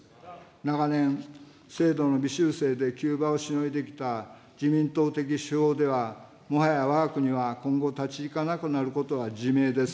長年、制度の微修正で急場をしのいできた自民党的手法では、もはやわが国は今後、立ち行かなくなることは自明です。